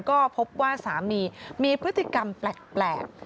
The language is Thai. ก็พบว่าสามีมีพฤติกรรมแปลก